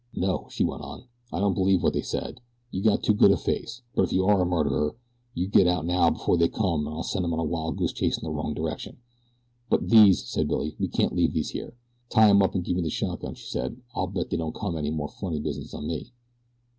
"No," she went on, "I don't believe what they said you got too good a face; but if you are a murderer you get out now before they come an' I'll send 'em on a wild goose chase in the wrong direction." "But these," said Billy. "We can't leave these here." "Tie 'em up and give me the shotgun," she said. "I'll bet they don't come any more funny business on me."